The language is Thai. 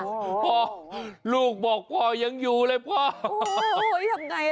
พ่อลูกบอกท่องยังอยู่แบบนี้